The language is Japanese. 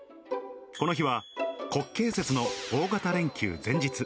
この日は国慶節の大型連休前日。